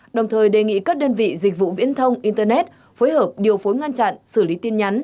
đồng thời đề nghị các đơn vị dịch vụ viễn thông internet phối hợp điều phối ngăn chặn xử lý tin nhắn